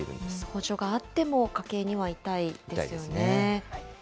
補助があっても家計には痛いですよね。